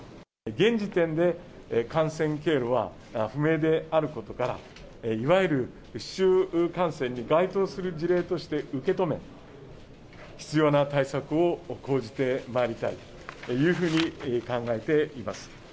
現時点で、感染経路は不明であることから、いわゆる市中感染に該当する事例として受け止め、必要な対策を講じてまいりたいというふうに考えています。